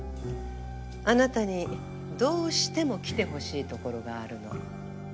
あなたにどうしても来てほしいところがあるの。